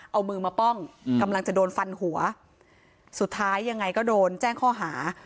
เอามือมาป้องกำลังจะโดนฟันหัวสุดท้ายยังไงก็โดนแจ้งข้อหา